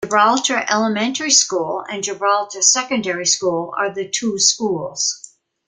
Gibraltar Elementary School and Gibraltar Secondary School are the two schools.